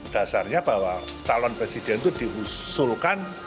dasarnya bahwa calon presiden itu diusulkan